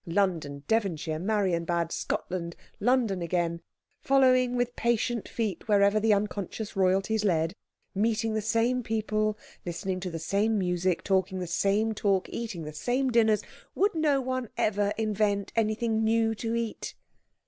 London, Devonshire, Marienbad, Scotland, London again, following with patient feet wherever the unconscious royalties led, meeting the same people, listening to the same music, talking the same talk, eating the same dinners would no one ever invent anything new to eat?